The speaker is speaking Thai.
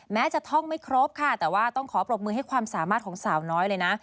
แม้จะท่องไม่ครบค่ะแต่ว่าต้องขอปรบมือให้ความสามารถของสาวน้อยเลยนะ